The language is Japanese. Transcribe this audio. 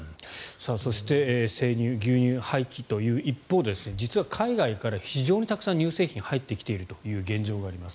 そして生乳、牛乳廃棄という一方で実は海外から非常にたくさん乳製品が入ってきているという現状があります。